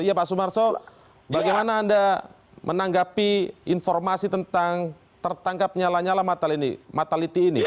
iya pak sumarso bagaimana anda menanggapi informasi tentang tertangkapnya lanyala mataliti ini